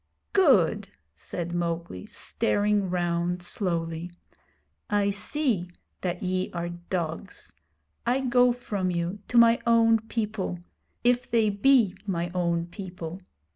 'Good!' said Mowgli, staring round slowly. 'I see that ye are dogs. I go from you to my own people if they be ray own people.